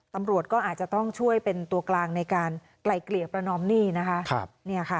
ตำรวจก็อาจจะต้องช่วยเป็นตัวกลางในการไกลเกลี่ยประนอมหนี้นะคะ